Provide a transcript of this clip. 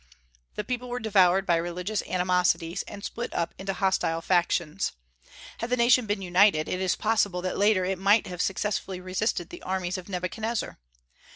The people were devoured by religious animosities, and split up into hostile factions. Had the nation been united, it is possible that later it might have successfully resisted the armies of Nebuchadnezzar.